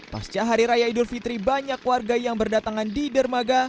pasca hari raya idul fitri banyak warga yang berdatangan di dermaga